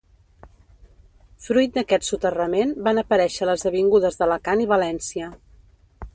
Fruit d'aquest soterrament van aparèixer les avingudes d'Alacant i València.